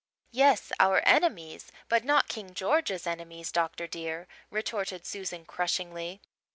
"Yes, our enemies, but not King George's enemies, doctor dear," retorted Susan crushingly.